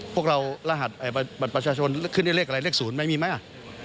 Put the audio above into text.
พวกเรารหัสบัตรประชาชนขึ้นได้เลขอะไรเลข๐ไหมมีไหมอ่ะ